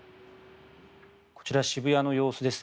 こちら渋谷の様子です。